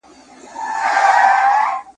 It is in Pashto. کي بديل نه لري !.